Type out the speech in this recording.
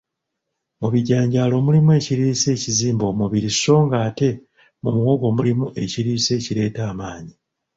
Mu bijanjaalo mulimu ekiriisa ekizimba omubirii sso nga ate mu muwogo mulimu ekiriisa ekireeta amaanyi.